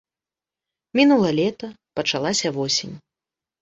Мінула лета, пачалася восень.